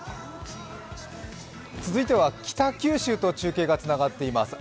続いては北九州と中継がつながっています。